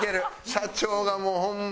社長がもうホンマ